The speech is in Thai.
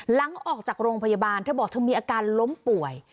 หลังจากออกจากโรงพยาบาลเธอบอกเธอมีอาการล้มป่วย